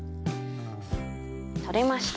採れました。